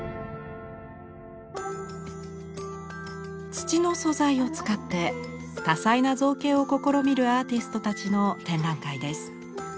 土の素材を使って多彩な造形を試みるアーティストたちの展覧会です。